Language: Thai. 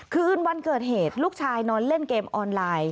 คืนวันเกิดเหตุลูกชายนอนเล่นเกมออนไลน์